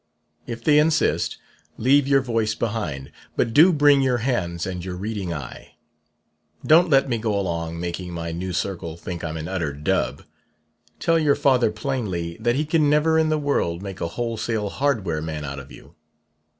If they insist, leave your voice behind; but do bring your hands and your reading eye. Don't let me go along making my new circle think I'm an utter dub. Tell your father plainly that he can never in the world make a wholesale hardware man out of you.